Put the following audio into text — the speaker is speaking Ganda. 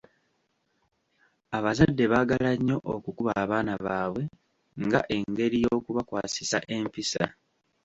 Abazadde baagala nnyo okukuba abaana baabwe nga engeri y'okubakwasisa empisa.